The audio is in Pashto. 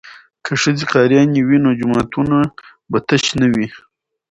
که ښځې قاریانې وي نو جوماتونه به تش نه وي.